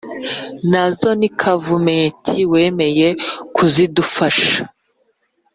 Nazo ni Kavumenti wemeye kuzidufasha